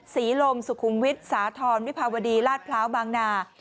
ศรีลมสุฯะวิทธิ์สาธรณ์วิพาวดีราชพร้าวบังหนา